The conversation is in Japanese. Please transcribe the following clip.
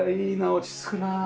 落ち着くな。